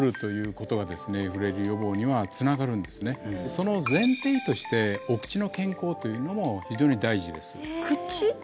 その前提としてお口の健康というのも非常に大事です口？